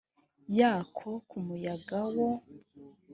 yako ku muyaga wo